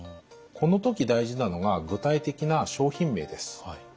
この時大事なのが具体的な商品名です。